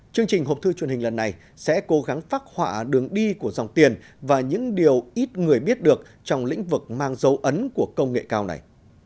chương trình hộp thư truyền hình lần này sẽ cố gắng phát họa đường đi của dòng tiền và những điều ít người biết được trong lĩnh vực mang dấu ấn của công nghệ cao này